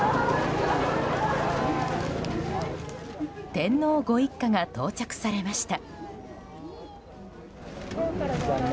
天皇ご一家が到着されました。